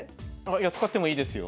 いや使ってもいいですよ。